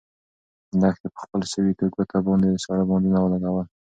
لښتې په خپله سوې ګوته باندې ساړه بادونه لګول.